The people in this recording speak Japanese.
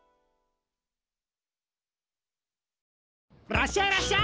らっしゃいらっしゃい！